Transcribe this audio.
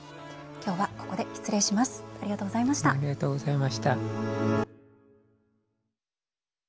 今日はここで失礼します。